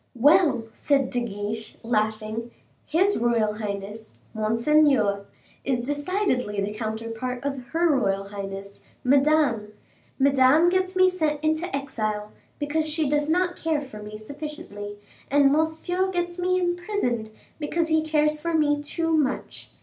"Well," said De Guiche, laughing, "his royal highness, monseigneur, is decidedly the counterpart of her royal highness, Madame. Madame gets me sent into exile, because she does not care for me sufficiently; and monseigneur gets me imprisoned, because he cares for me too much.